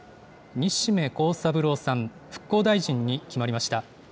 西銘恒三郎さん、復興大臣に決まりました。